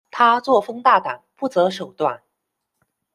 她作风大胆，不择手段。